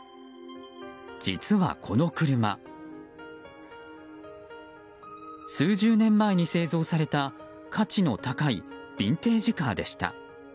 実はこの車数十年前に製造された価値の高いビンテージカーでした。